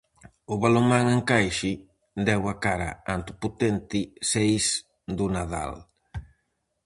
O Balonmán Encaixe deu a cara ante o potente seis do Nadal.